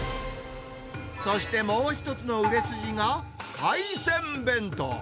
そしてもう一つの売れ筋が、海鮮弁当。